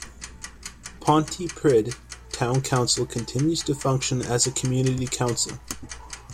Pontypridd Town Council continues to function as a community council.